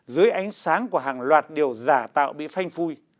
dưới ánh sáng của hàng loạt điều giả tạo bị phanh phui